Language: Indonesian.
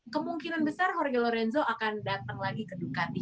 kemungkinan besar jorge lorenzo akan datang lagi ke ducati